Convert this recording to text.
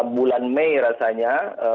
bulan mei rasanya dua ribu dua puluh satu